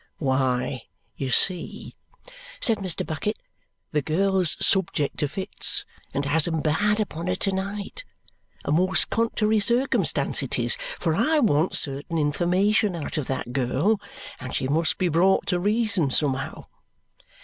"Why, you see," said Mr. Bucket, "the girl's subject to fits, and has 'em bad upon her to night. A most contrary circumstance it is, for I want certain information out of that girl, and she must be brought to reason somehow."